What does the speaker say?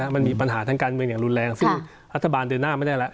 มันมีปัญหาทางการเมืองอย่างรุนแรงซึ่งรัฐบาลเดินหน้าไม่ได้แล้ว